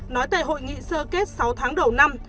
nói về hội nghị sơ kết sáu tháng đầu năm